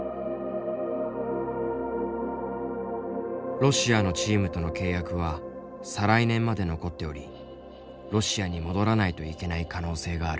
ロシアのチームとの契約は再来年まで残っておりロシアに戻らないといけない可能性がある。